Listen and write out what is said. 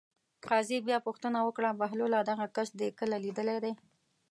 قاضي بیا پوښتنه وکړه: بهلوله دغه کس دې کله لیدلی دی.